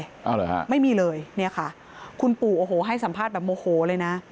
เอาเหรอฮะไม่มีเลยเนี่ยค่ะคุณปู่โอ้โหให้สัมภาษณ์แบบโมโหเลยนะ